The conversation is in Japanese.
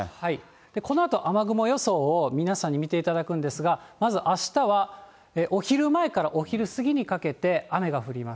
このあと雨雲予想を皆さんに見ていただくんですが、まずあしたはお昼前からお昼過ぎにかけて、雨が降ります。